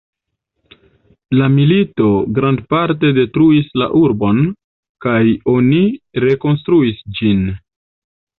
La milito grandparte detruis la urbon, kaj oni rekonstruis ĝin.